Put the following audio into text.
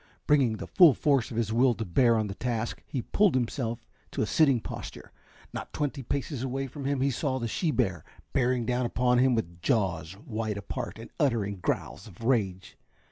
Bringing the full force of his will to bear on the task, he pulled himself to a sitting posture. Not twenty paces from him he saw the she bear bearing down upon him with jaws wide apart, and uttering growls of rage.